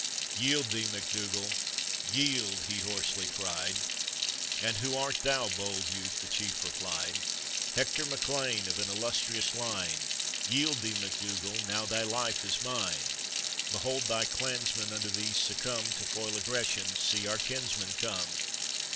" Yield thee, MacDougall, yield! " he boao«ly cried. "And who art thou, bold youth?" tho chief replied. " Hector \facLean, of an illustrious line! Yield thee, MacDougall, now thy life i§ mine; Behold thy clansmen unto thei»e succumb, To foil aggression, see, our kinsmen come!